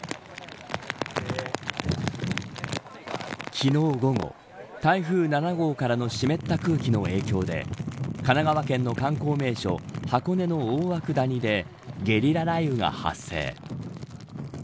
昨日午後台風７号からの湿った空気の影響で神奈川県の観光名所箱根の大涌谷でゲリラ雷雨が発生。